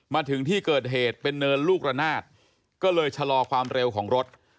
มาถึงที่เกิดเหตุเป็นเนินลูกระนาดก็เลยชะลอความเร็วของรถ